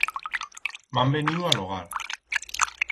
M'han veniu a logar.